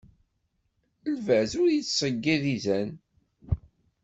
Lbaz ur yettseyyiḍ izan.